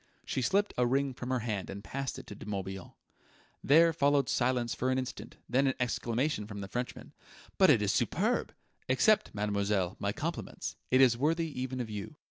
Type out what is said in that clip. She slipped a ring from her hand and passed it to De Morbihan. There followed silence for an instant, then an exclamation from the Frenchman: "But it is superb! Accept, mademoiselle, my compliments. It is worthy even of you."